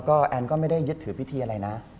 ก็แอนก็ไม่ได้ยึดถือพิธีอะไรนะ